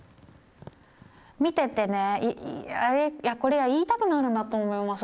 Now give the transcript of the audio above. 見ててねこりゃあ言いたくなるんだと思います